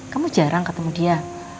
kamu jarang ketemu dia